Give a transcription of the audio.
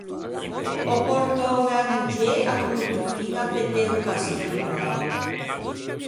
Ò portou mæ moggê à Portofin à vedde o Castello Brown.